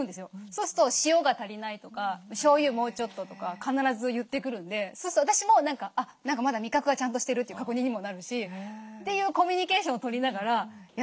そうすると「塩が足りない」とか「しょうゆもうちょっと」とか必ず言ってくるんでそうすると私もまだ味覚はちゃんとしてるっていう確認にもなるしというコミュニケーションをとりながらやってますね。